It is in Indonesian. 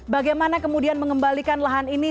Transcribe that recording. bagaimana kemudian mengembalikan lahan ini